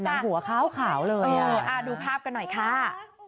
หนังหัวขาวเลยอ่ะดูภาพกันหน่อยค่ะ